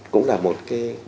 cũng là một kế hoạch